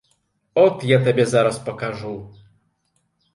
От я табе зараз пакажу.